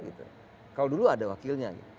kalau dulu ada wakilnya